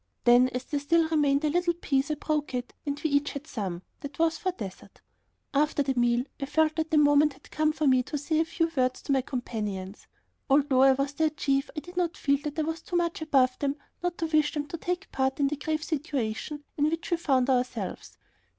Then, as there still remained a little piece, I broke it and we each had some; that was for dessert. After the meal I felt that the moment had come for me to say a few words to my companions. Although I was their chief, I did not feel that I was too much above them not to wish them to take part in the grave situation in which we found ourselves.